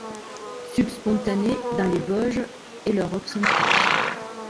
Subspontané dans les Vosges et l'Europe centrale.